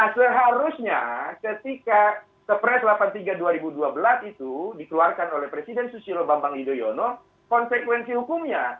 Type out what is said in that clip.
seharusnya ketika kepres delapan puluh tiga dua ribu dua belas itu dikeluarkan oleh presiden susilo bambang yudhoyono konsekuensi hukumnya